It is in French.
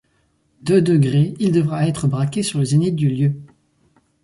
deux degré Il devra être braqué sur le zénith du lieu.